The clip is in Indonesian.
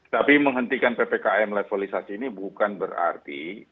tapi menghentikan ppkm levelisasi ini bukan berarti